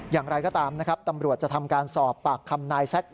อย่างไรก็ตามนะครับตำรวจจะทำการสอบปากคำนายแซค